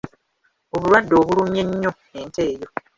Obulwadde obulumye nnyo ente eyo.